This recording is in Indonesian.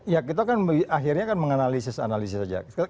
ya kita kan akhirnya kan menganalisis analisis saja